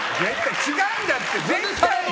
違うんだって。